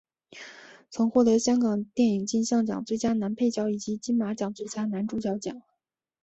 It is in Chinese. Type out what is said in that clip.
曾获得香港电影金像奖最佳男配角以及金马奖最佳男主角奖。